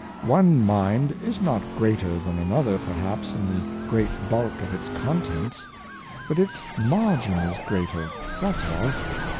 One mind is not greater than another, perhaps, in the great bulk of its contents; but its margin is greater, that's all.